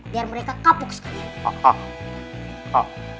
biar mereka kapuk sekali